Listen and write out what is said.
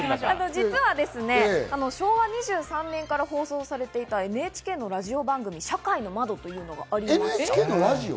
実は昭和２３年から放送されていたＮＨＫのラジオ番組『社会の窓』というのがあります。